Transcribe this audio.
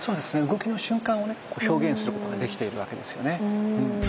動きの瞬間をね表現することができているわけですよね。